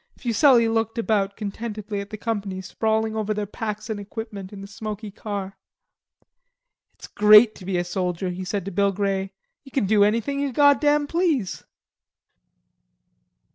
Fuselli looked about contentedly at the company sprawling over their packs and equipment in the smoky car. "It's great to be a soldier," he said to Bill Grey. "Ye kin do anything ye goddam please."